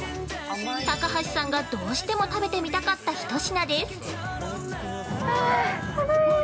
高橋さんがどうしても食べてみたかった一品です。